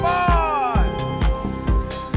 kemek tangan anda